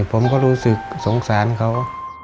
ผมก็รู้สึกสงสารเขา